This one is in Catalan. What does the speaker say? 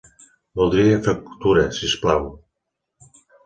Voldria factura, si us plau.